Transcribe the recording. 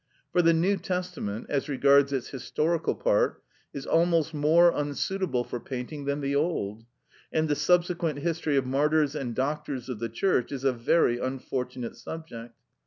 For the New Testament, as regards its historical part, is almost more unsuitable for painting than the Old, and the subsequent history of martyrs and doctors of the church is a very unfortunate subject.